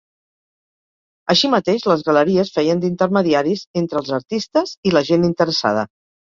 Així mateix les Galeries feien d'intermediaris entre els artistes i la gent interessada.